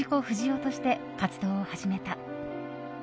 不二雄として活動を始めた。